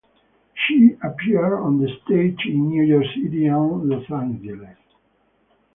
She appeared on the stage in New York City and Los Angeles.